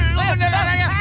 sani diam toh